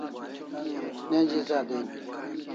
Neji za den